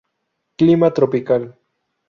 Clima tropical.